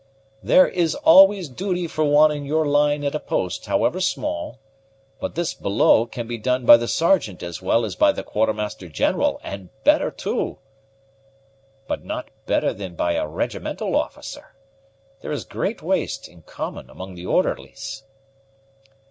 "There is always duty for one in your line at a post, however small; but this below can be done by the Sergeant as well as by the Quartermaster general, and better too." "But not better than by a regimental officer. There is great waste, in common, among the orderlies."